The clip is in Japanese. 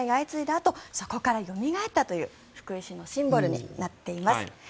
あとそこからよみがえったという福井市のシンボルになっています。